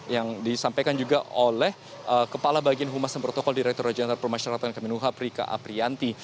dan juga diberikan oleh kepala bagian humasan protokol direktur raja nata permasyaratan kemenungha prika aprianti